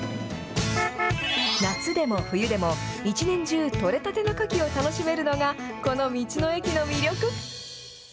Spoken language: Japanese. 夏でも冬でも、一年中取れたてのかきを楽しめるのが、この道の駅の魅力。